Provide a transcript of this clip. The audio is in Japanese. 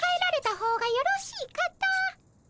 方がよろしいかと。